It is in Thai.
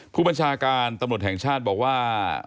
ผู้บัญชาการตำรวจแห่งชาติบอกว่า